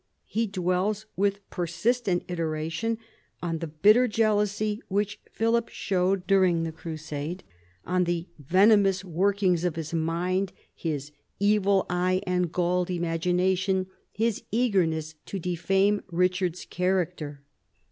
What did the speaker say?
He dwells with persistent iteration on the bitter jealousy which Philip showed during the Crusade, on the " venomous workings 214 PHILIP AUGUSTUS chap. of his mind," his "evil eye and galled imagination," his eagerness to defame Richard's character.